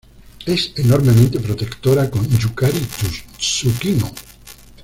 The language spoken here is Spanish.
Es enormemente protectora con Yukari Tsukino.